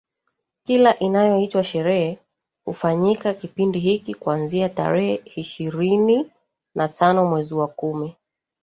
Kila inayoitwa sherehe hufanyika kipindi hiki kuanzia tarehe ishirini na tano mwezi wa kumi